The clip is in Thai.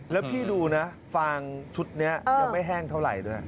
แล้วพี่ดูนะฟางชุดนี้ยังไม่แห้งเท่าไหร่ด้วย